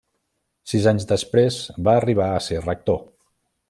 Sis anys després va arribar a ser Rector.